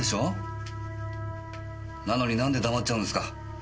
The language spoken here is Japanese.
なのになんで黙っちゃうんですか。